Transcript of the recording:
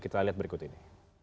kita lihat berikut ini